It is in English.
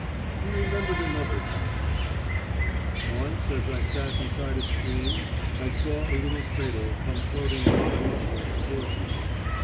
He remembered another passage: "Once as I sat beside a stream I saw a little cradle come floating bottom upwards towards me.